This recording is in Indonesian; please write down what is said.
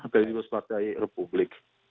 kredibilitas partai republik